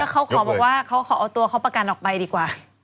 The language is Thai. เขาขอบอกว่าเขาขอเอาตัวเขาประกันออกไปดีกว่า